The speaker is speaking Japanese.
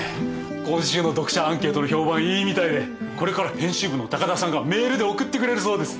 今週の読者アンケートの評判いいみたいでこれから編集部の高田さんがメールで送ってくれるそうです。